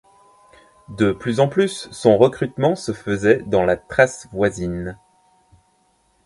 De plus en plus, son recrutement se faisait dans la Thrace voisine.